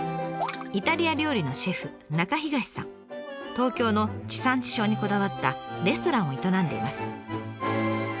東京の地産地消にこだわったレストランを営んでいます。